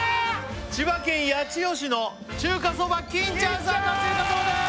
千葉県八千代市の中華そば金ちゃんさんの中華そばです！